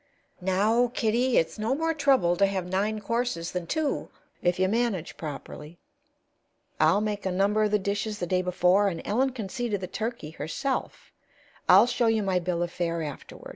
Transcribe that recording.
_" "Now, Kitty, it's no more trouble to have nine courses than two, if you manage properly. I'll make a number of the dishes the day before, and Ellen can see to the turkey herself; I'll show you my bill of fare afterward.